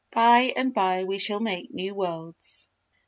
By and by we shall make new worlds.